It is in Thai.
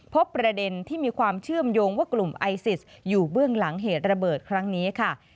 พบประเด็นที่มีความเชื่อมโยงว่ากลุ่มไอซิสอยู่เบื้องหลังเหตุระเบิดครั้งนี้ค่ะ